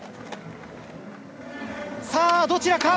さあ、どちらか？